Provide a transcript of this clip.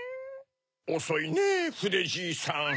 おそいねぇふでじいさん。